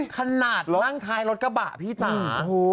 ขนาดนั่งท้ายรถกระบะพี่จ๋า